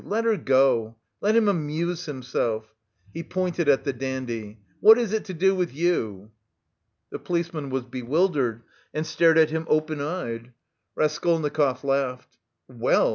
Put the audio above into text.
Let her go! Let him amuse himself." He pointed at the dandy, "What is it to do with you?" The policeman was bewildered, and stared at him open eyed. Raskolnikov laughed. "Well!"